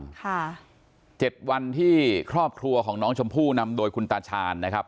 ค่ะเจ็ดวันที่ครอบครัวของน้องชมพู่นำโดยคุณตาชาญนะครับ